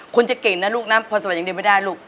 คุณจะเก่งนะลูกนะพรสวรรค์อย่างเดียวไม่ได้ลูก